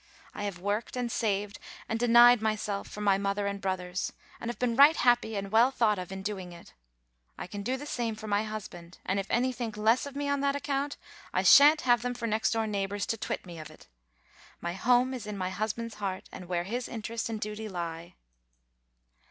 I have worked, and saved, and denied myself for my mother and brothers, and have been right happy and well thought of in doing it. I can do the same for my husband; and if any think less of me on that account, I shan't have them for next door neighbors to twit me of it. My home is in my husband's heart, and where his interest and duty lie."